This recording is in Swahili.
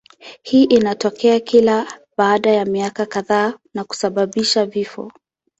Hii inatokea kila baada ya miaka kadhaa na kusababisha vifo.